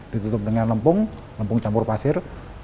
ditutup dengan lempung lempung campur pasir